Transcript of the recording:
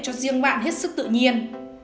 cho riêng bạn hết sức tự nhiên